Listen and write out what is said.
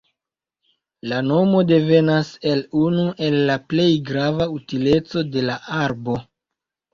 La nomo devenas el unu el la plej grava utileco de la arbo.